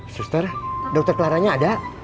suster dokter klaranya ada